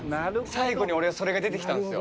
最後に俺それが出てきたんですよ。